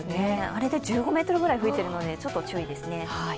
あれで１５メートルぐらい吹いているので、ちょっと注意ですね。